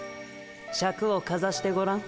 シャクをかざしてごらん。